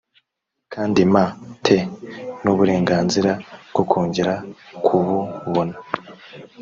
kandi m te n uburenganzira bwo kongera kububona